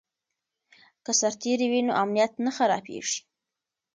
که سرتیری وي نو امنیت نه خرابېږي.